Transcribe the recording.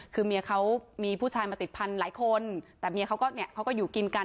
คือเมียเขามีผู้ชายมาติดพันหลายคนแต่เมียเขาก็อยู่กินกัน